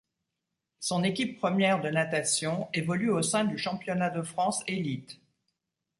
Son équipe première de natation évolue au sein du championnat de France élite.